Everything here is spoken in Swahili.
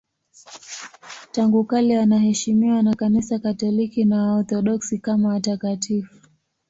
Tangu kale wanaheshimiwa na Kanisa Katoliki na Waorthodoksi kama watakatifu.